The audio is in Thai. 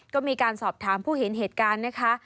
ก็มีการสอบถามผู้เห็นเหตุการณ์นะคะ